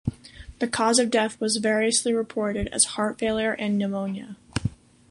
The cause of death was variously reported as heart failure and pneumonia.